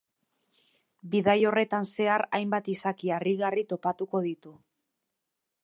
Bidai horretan zehar hainbat izaki harrigarri topatuko ditu.